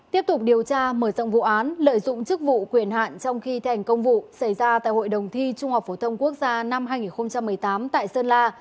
tiếp tục điều tra mở rộng vụ án lợi dụng chức vụ quyền hạn trong khi thành công vụ xảy ra tại hội đồng thi trung học phổ thông quốc gia năm hai nghìn một mươi tám tại sơn la